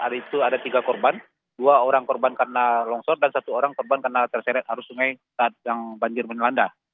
hari itu ada tiga korban dua orang korban karena longsor dan satu orang korban karena terseret arus sungai saat yang banjir menelanda